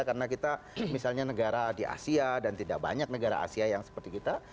karena kita misalnya negara di asia dan tidak banyak negara asia yang seperti kita